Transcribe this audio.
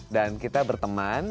dan kita berteman